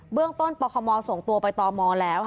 เรื่องต้นปคมส่งตัวไปตมแล้ว